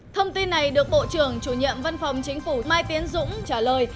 thông tin này được bộ trưởng chủ nhiệm văn phòng chính phủ mai tiến dũng trả lời